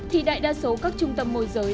thì đại đa số các trung tâm môi giới